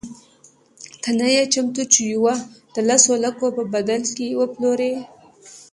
ته نه یې چمتو چې یوه د لسو لکو په بدل کې وپلورې.